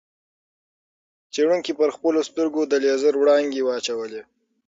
څېړونکو پر خپلو سترګو د لېزر وړانګې واچولې.